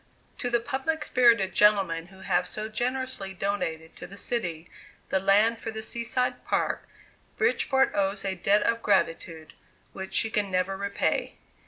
To the public spirited gentlemen who have so generously donated to the city the land for the Sea side Park, Bridgeport owes a debt of gratitude which she can never repay.